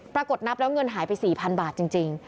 ปรากฏนับแล้วเงินหายไป๔๐๐๐บาทจริง